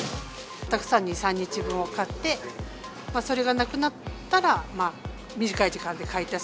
たくさん２、３日分を買って、それがなくなったら、短い時間で買い足す。